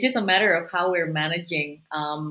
hanya masalahnya bagaimana kita menguruskan